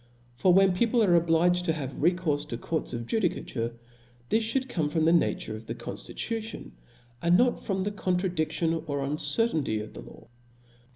For when people are obliged to have recourfe to courts of judicature, this fliould come from the nature of the conftitution, and not from the contradic tion or uncertainty of the law.